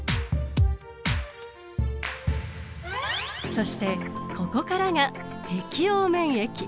そしてここからが適応免疫。